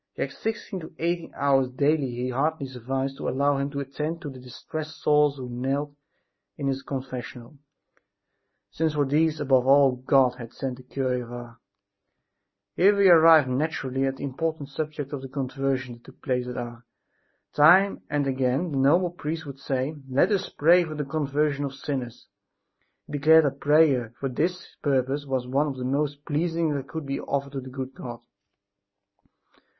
Yet sixteen to eighteen hours daily hardly sufficed to allow him to attend to the distressed souls who knelt in his confessional, since for these above all God had sent the cure of Ars. Here we arrive naturally at the important subject of the conversions that took place at Ars. Time and again the noble priest would say: "Let us pray for the conversion of sinners!" He declared that prayer for this purpose was one of the most pleasing that could be offered to the good God.